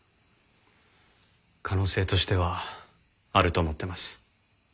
可能性としてはあると思ってます。